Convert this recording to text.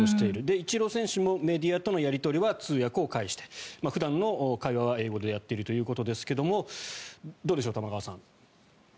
イチロー選手もメディアとのやり取りは通訳を介して普段の会話は英語でやっているということですがどうでしょう、玉川さん。